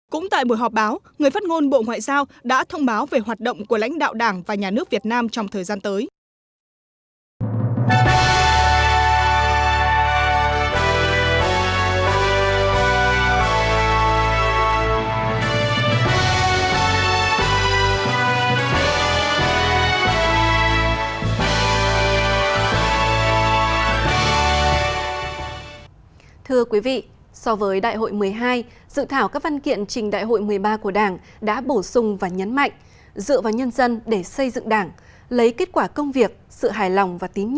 cũng tại buổi họp báo người phát ngôn bộ ngoại giao đã thông báo về hoạt động của lãnh đạo đảng và nhà nước việt nam trong thời gian tới